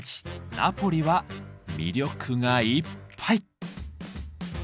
ナポリは魅力がいっぱい！